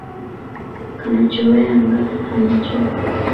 Kanachowea nga hanachoka.